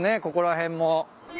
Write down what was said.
ここら辺も。